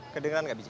kedengan nggak biji